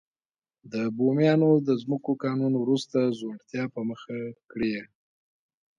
د بومیانو د ځمکو قانون وروسته ځوړتیا په مخه کړې.